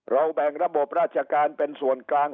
แบ่งระบบราชการเป็นส่วนกลาง